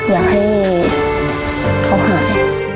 อยากให้เขาหาย